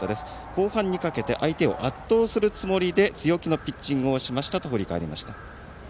後半にかけて相手を圧倒するつもりで強気のピッチングをしましたと振り返りました。